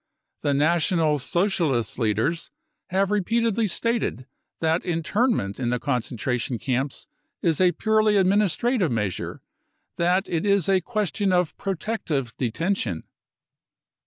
The National Socialist leaders have repeatedly stated that internment in the concentration camps is a purely administrative measure, that it is a question of protective detention.